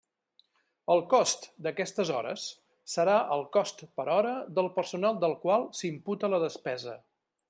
El cost d'aquestes hores serà el cost per hora del personal del qual s'imputa la despesa.